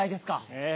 ええ。